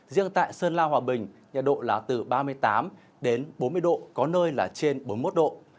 riêng tại sơn la hòa bình nhiệt độ là từ ba mươi tám đến bốn mươi độ có nơi là trên bốn mươi một độ